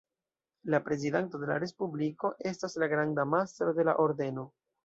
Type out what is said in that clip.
La prezidanto de la Respubliko estas la granda mastro de la Ordeno.